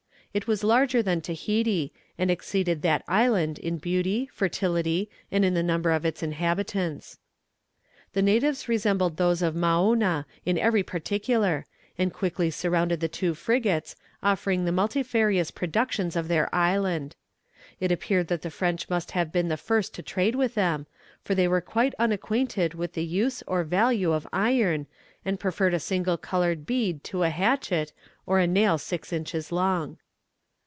It was larger than Tahiti, and exceeded that island in beauty, fertility, and in the number of its inhabitants. The natives resembled those of Maouna in every particular, and quickly surrounded the two frigates, offering the multifarious productions of their island. It appeared that the French must have been the first to trade with them, for they were quite unacquainted with the use or value of iron, and preferred a single coloured bead to a hatchet, or a nail six inches long.